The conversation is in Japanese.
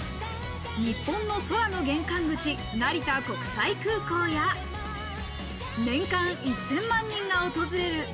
日本の空の玄関口・成田国際空港や年間１０００万人が訪れる